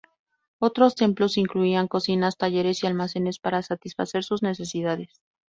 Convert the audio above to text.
Otros templos incluían cocinas, talleres y almacenes para satisfacer sus necesidades.